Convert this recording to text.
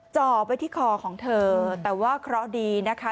จ่อไปที่คอของเธอแต่ว่าเคราะห์ดีนะคะ